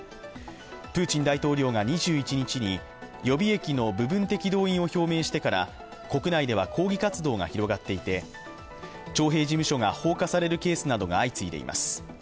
プーチン大統領が２１日に予備役の部分的動員を表明してから国内では抗議活動が広がっていて徴兵事務所が放火されるケースなどが相次いでいます。